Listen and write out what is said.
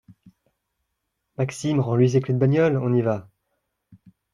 Maxime, rends-lui ses clés de bagnole, on y va.